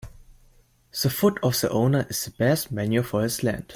The foot of the owner is the best manure for his land.